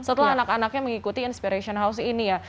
setelah anak anaknya mengikuti inspiration house ini ya